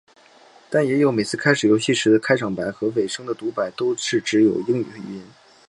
但也有每次开始游戏时的开场白和尾声的读白都是只有英语语音。